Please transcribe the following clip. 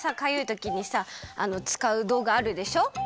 ときにさつかうどうぐあるでしょ？